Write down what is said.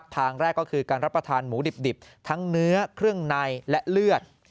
ทางแรกก็คือการรับประทานหมูดิบทั้งเนื้อเครื่องในและเลือด